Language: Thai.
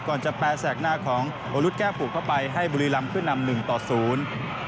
ก่อนจะแปลแสกหน้าของวรุษแก้วปลูกเข้าไปให้บุรีรำขึ้นนำหนึ่งต่อศูนย์